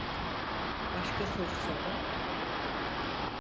Başka sorusu olan?